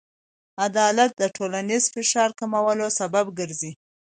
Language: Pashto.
عدالت د ټولنیز فشار کمولو سبب ګرځي.